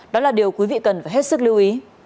đó là điều quý vị cần phải hết sức lưu ý